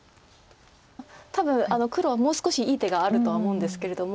多分黒はもう少しいい手があるとは思うんですけれども。